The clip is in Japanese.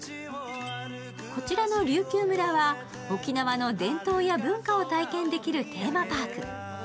こちらの琉球村は、沖縄の伝統や文化を体験できるテーマパーク。